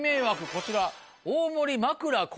こちら。